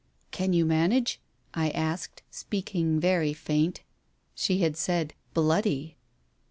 "Can you manage?" I asked, speaking very faint. She had said "bloody"!